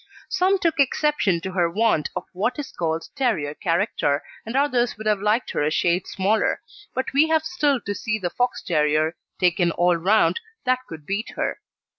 Some took exception to her want of what is called terrier character, and others would have liked her a shade smaller; but we have still to see the Fox terrier, taken all round, that could beat her.